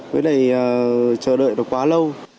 với lại chờ đợi nó quá lâu